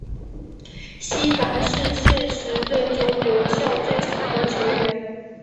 希拔是现时队中留效最长的球员。